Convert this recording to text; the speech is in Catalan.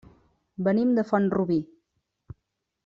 Venim de Font-rubí.